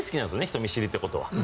人見知りということは。